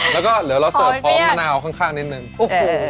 แล้วก็เหลือเราเสิร์ฟพร้อมมะนาวข้างนิดนึงโอเค